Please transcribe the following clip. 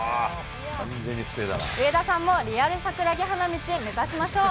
上田さんもリアル桜木花道、目指しましょう。